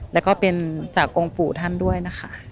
แล้วก็เป็นจากองค์ปู่ท่านด้วยนะคะ